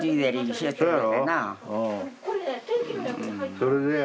それでや。